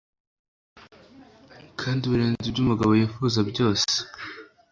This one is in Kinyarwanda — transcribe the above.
kandi burenze ibyo umugabo yifuza byose